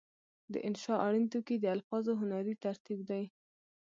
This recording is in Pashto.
د انشأ اړین توکي د الفاظو هنري ترتیب دی.